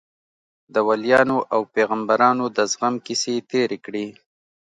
د وليانو او پيغمبرانو د زغم کيسې يې تېرې کړې.